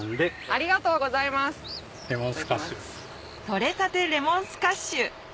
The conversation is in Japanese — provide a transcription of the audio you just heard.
採れたてレモンスカッシュ！